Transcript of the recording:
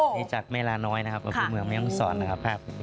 นี่จากเมลาน้อยนะครับ